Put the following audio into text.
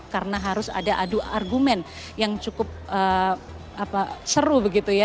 karena harus ada adu argumen yang cukup seru begitu ya